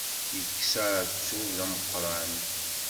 Yekkes uεettub d ameqqran.